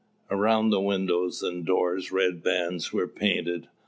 Around the windows and doors red bands were painted.